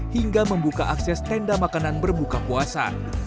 hingga membuka akses tenda makanan berbuka puasa